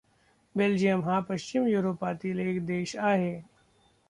Belgium हा पश्चिम युरोपातील एक देश आहे.